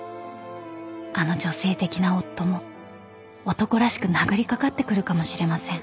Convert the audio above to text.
［あの女性的な夫も男らしく殴りかかってくるかもしれません］